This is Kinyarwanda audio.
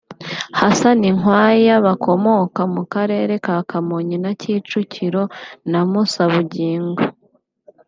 Hassan Nkwaya bakomoka mu Karere ka Kamonyi na Kicukiro na Mussa Bugingo